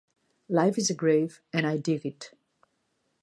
"Life Is a Grave and I Dig It!"